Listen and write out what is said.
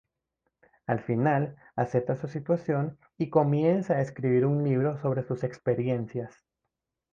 Al final acepta su situación y comienza a escribir un libro sobre sus experiencias.